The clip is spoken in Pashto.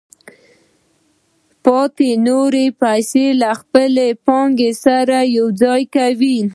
پاتې نورې پیسې له خپلې پانګې سره یوځای کوي